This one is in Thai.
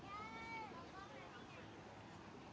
สวัสดีครับทุกคน